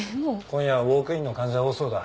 今夜はウォークインの患者多そうだ。